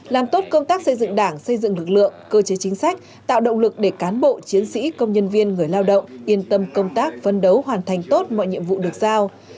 làm tốt công tác xây dựng đảng xây dựng lực lượng cơ chế chính sách tạo động lực để cán bộ chiến sĩ công nhân viên người lao động yên tâm công tác phân đấu hoàn thành tốt mọi nhiệm vụ được giao